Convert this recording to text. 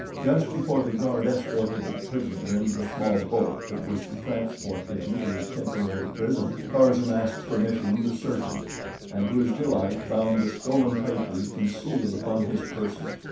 Just before the guard escorted the prisoner into the small boat that was to transport him to his temporary prison Tarzan asked permission to search him, and to his delight found the stolen papers concealed upon his person.